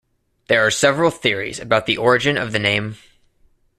There are several theories about the origin of the name.